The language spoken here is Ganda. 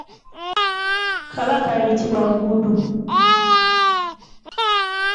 Kaba kayitibwa gudu.